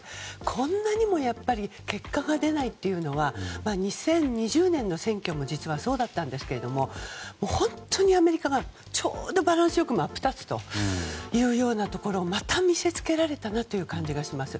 こんなにも結果が出ないというのは２０２０年の選挙も実はそうだったんですけど本当にアメリカがちょうどバランス良く真っ二つというようなところをまた見せつけられたなという感じがします。